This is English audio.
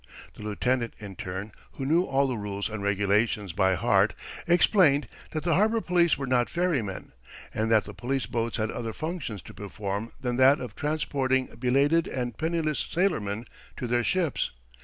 The lieutenant, in turn, who knew all the "rules and regulations" by heart, explained that the harbor police were not ferrymen, and that the police boats had other functions to perform than that of transporting belated and penniless sailormen to their ships.